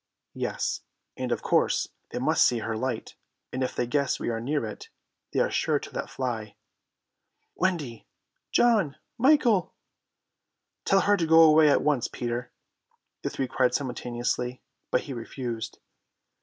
"Yes. And of course they must see her light, and if they guess we are near it they are sure to let fly." "Wendy!" "John!" "Michael!" "Tell her to go away at once, Peter," the three cried simultaneously, but he refused.